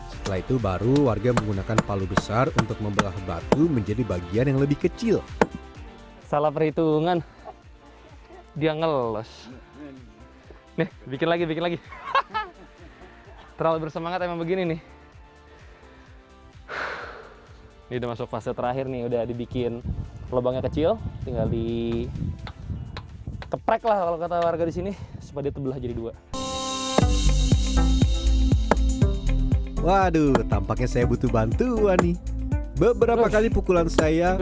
setelah itu baru warga menggunakan palu besar untuk membelah batu menjadi bagian yang lebih keras dan lebih keras